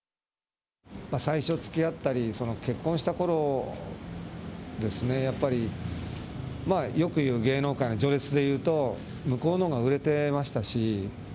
最初、つきあったり、結婚したころですね、やっぱりまあ、よくいう芸能界の序列で言うと、向こうのほうが売れてましたし。